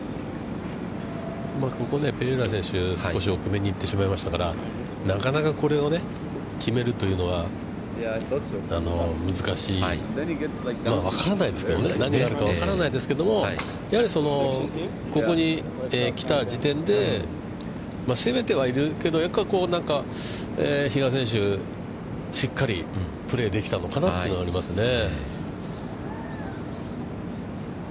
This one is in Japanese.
ここ、ペレイラ選手、少し奥めに行ってしまいましたから、なかなかこれをね、決めるというのは、難しい、まあ、分からないですけどね、何があるか分からないですけども、やはりここに来た時点で、攻めてはいるけど、比嘉選手、しっかりプレーできたのかなというのはありますね。